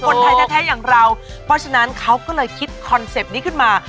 คนไทยแท้อย่างเราเพราะฉะนั้นเขาก็เลยคิดคอนเซ็ปต์นี้ขึ้นมา